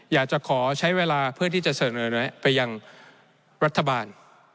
อยากจะขอใช้เวลาเพื่อที่จะเสนอไปยังรัฐบาล